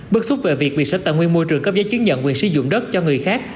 bức xúc về việc bị sở tài nguyên môi trường cấp giấy chứng nhận quyền sử dụng đất cho người khác